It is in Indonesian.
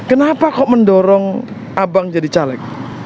kenapa kok mendorong abang jadi caleg